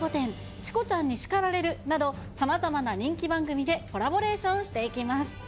チコちゃんに叱られる！など、さまざまな人気番組でコラボレーションしていきます。